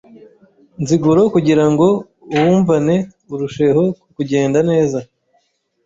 nziguro kugira ngo uwumvane urusheho kugenda neza